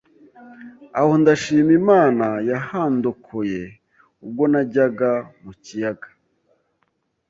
aho ndashima Imana yahandokoye ubwo najyaga mu kiyaga